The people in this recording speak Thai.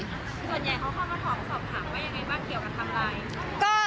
ส่วนใหญ่เขาเข้ามาถามสอบถามว่ายังไงบ้างเกี่ยวกับทำอะไร